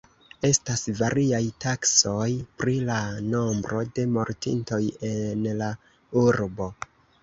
Estas variaj taksoj pri la nombro de mortintoj en la urbo.